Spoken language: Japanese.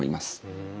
ふん。